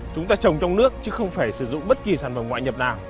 chúng ta trồng trong nước chứ không phải sử dụng bất kỳ sản phẩm ngoại nhập nào